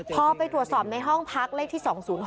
พอไปตรวจสอบในห้องพักเลขที่๒๐๖